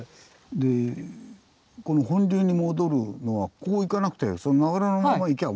でこの本流に戻るのはこう行かなくてその流れのまま行きゃ戻るというね。